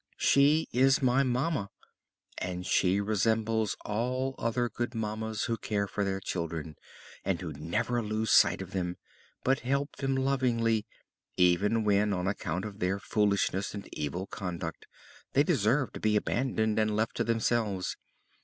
"She is my mamma and she resembles all other good mammas who care for their children, and who never lose sight of them, but help them lovingly, even when, on account of their foolishness and evil conduct, they deserve to be abandoned and left to themselves.